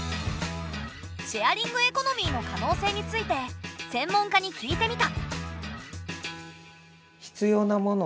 シェアリングエコノミーの可能性について専門家に聞いてみた。